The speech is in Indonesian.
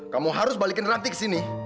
kamu harus balikin ranti ke sini